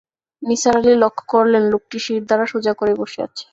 নিসার আলি লক্ষ করলেন, লোকটি শিরদাঁড়া সোজা করে বসে আছে।